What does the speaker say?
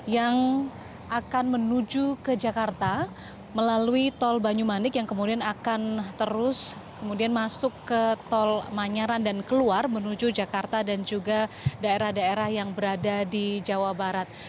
yang akan menuju ke jakarta melalui tol banyumanik yang kemudian akan terus kemudian masuk ke tol manyaran dan keluar menuju jakarta dan juga daerah daerah yang berada di jawa barat